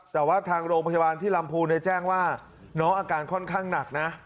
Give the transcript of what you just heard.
แต่ว่าทางโรงพยาบาลที่ลำพูนแจ้งว่าน้องอาการค่อนข้างหนักนะ